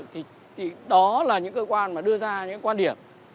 thì đó là những cơ quan mà đưa ra những quan điểm